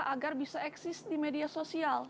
agar bisa eksis di media sosial